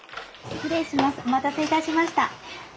お待たせいたしました。